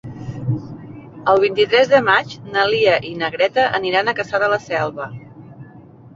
El vint-i-tres de maig na Lia i na Greta aniran a Cassà de la Selva.